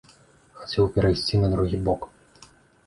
Хацеў перайсці на другі бок.